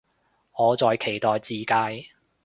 我在期待的自介